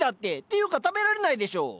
ていうか食べられないでしょう。